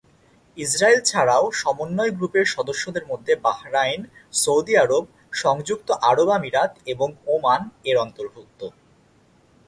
ইস্রায়েল ছাড়াও সমন্বয় গ্রুপের সদস্যদের মধ্যে বাহরাইন, সৌদি আরব, সংযুক্ত আরব আমিরাত এবং ওমান এর অন্তর্ভুক্ত।